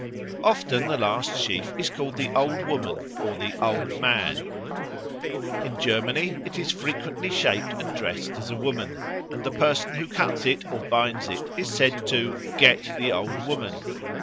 Often the last sheaf is called the Old Woman or the Old Man. In Germany it is frequently shaped and dressed as a woman, and the person who cuts it or binds it is said to "get the Old Woman."